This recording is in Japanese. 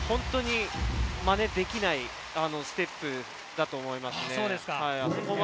まねできないステップだと思いますね。